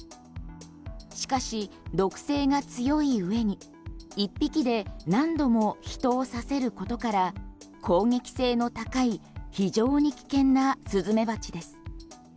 しかし、毒性が強いうえに１匹で何度も人を刺せることから攻撃性の高い非常に危険なスズメバチです。